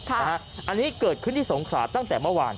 อันนี้เกิดขึ้นที่สงขราตั้งแต่เมื่อวาน